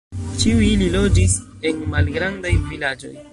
Ĉiuj ili loĝis en malgrandaj vilaĝoj.